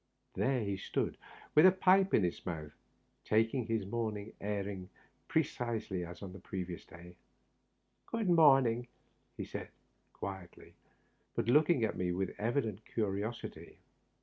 There he stood, with a pipe in his mouth, taking his morning airing precisely as on the preceding day. " Good morning," said he, quietly, but looking at me with evident curiosity.